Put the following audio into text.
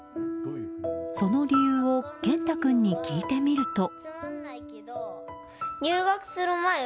その理由をけんた君に聞いてみると。